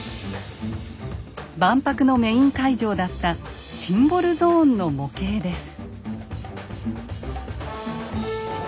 万博のメイン会場だったシンボルゾーンの模型です。